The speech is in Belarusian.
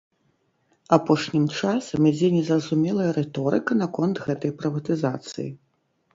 Апошнім часам ідзе незразумелая рыторыка наконт гэтай прыватызацыі.